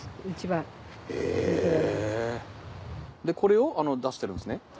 でこれを出してるんですね？